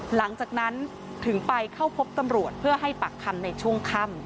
หลังจากนั้นถึงไปเข้าพบตำรวจเพื่อให้ปากคำในช่วงค่ำ